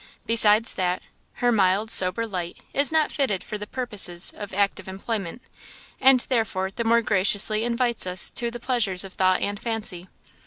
Besides that, her mild, sober light is not fitted for the purposes of active employment, and therefore the more graciously invites us to the pleasures of thought and fancy."